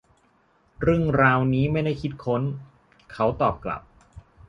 เรื่องราวนี้ไม่ได้คิดค้น เขาตอบกลับ